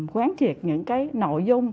quán triệt những cái nội dung